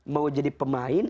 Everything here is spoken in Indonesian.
mau jadi pemain